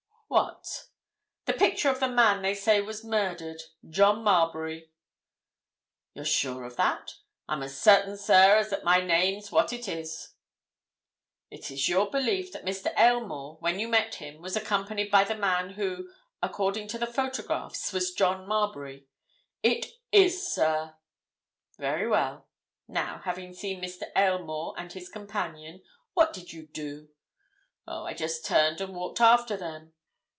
"What?" "The picture of the man they say was murdered—John Marbury." "You're sure of that?" "I'm as certain, sir, as that my name's what it is." "It is your belief that Mr. Aylmore, when you met him, was accompanied by the man who, according to the photographs, was John Marbury?" "It is, sir!" "Very well. Now, having seen Mr. Aylmore and his companion, what did you do?" "Oh, I just turned and walked after them."